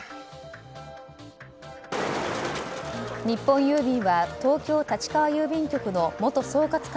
日本郵便は東京・立川郵便局の元総括